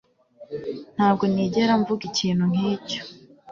Ntabwo nigera mvuga ikintu nkicyo